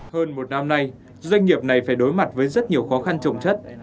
hơn một năm nay doanh nghiệp này phải đối mặt với rất nhiều khó khăn trồng chất